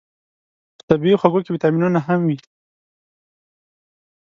په طبیعي خوږو کې ویتامینونه هم وي.